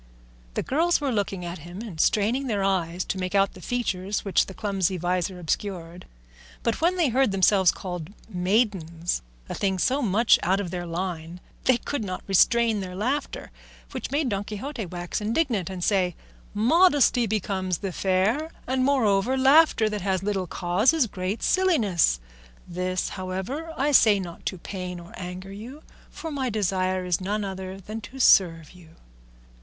The girls were looking at him and straining their eyes to make out the features which the clumsy visor obscured, but when they heard themselves called maidens, a thing so much out of their line, they could not restrain their laughter, which made Don Quixote wax indignant, and say, "Modesty becomes the fair, and moreover laughter that has little cause is great silliness; this, however, I say not to pain or anger you, for my desire is none other than to serve you."